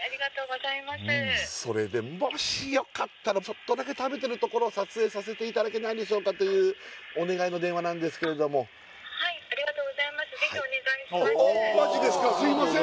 それでもしよかったらちょっとだけ食べてるところを撮影させていただけないでしょうかというお願いの電話なんですけれども☎はいありがとうございますすいません